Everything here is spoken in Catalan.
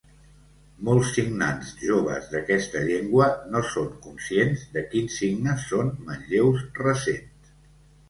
Molts signants joves d'aquesta llengua no són conscients de quins signes són manlleus recents.